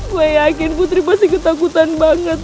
gue yakin putri pasti ketakutan banget